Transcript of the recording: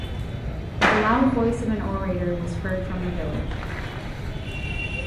The loud voice of an orator was heard from the village.